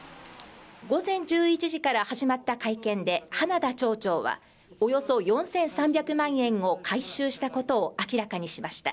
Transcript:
午前１１時から始まった会見で花田町長はおよそ４３００万円を回収したことを明らかにしました